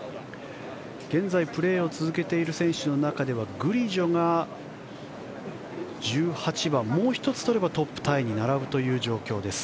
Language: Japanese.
現在プレーを続けている選手の中ではグリジョが１８番もう１つとればトップタイに並ぶ状況です。